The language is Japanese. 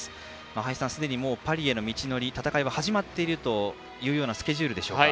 林さん、すでにパリへの道のり戦いは始まっているというようなスケジュールでしょうか。